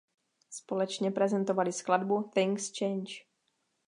Společně prezentovali skladbu Things Change.